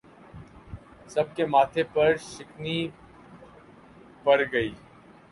سب کے ماتھے پر شکنیں پڑ گئیں